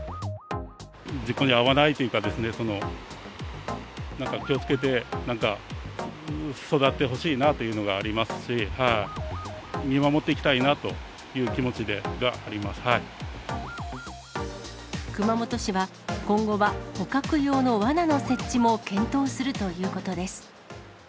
事故に遭わないというか、なんか気をつけて、なんか育ってほしいなというのがありますし、見守っていきたいな熊本市は、今後は捕獲用のわなの設置も検討するということです。